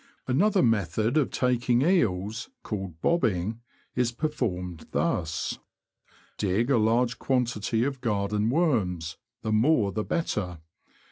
Another method of taking eels, called '^bobbing," is performed thus : Dig a large quantity of garden worms — the more the better.